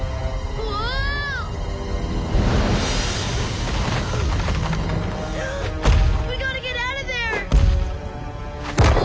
うわあ！